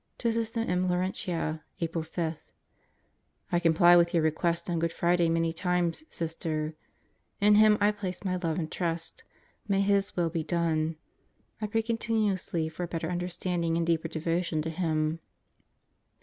To Sister M. Laurentia, Apr. 5: I complied with your request on Good Friday many times, Sister. ... In Him I place my love and trust. May His will be done. I pray continuously for a better understanding and deeper devotion to Him.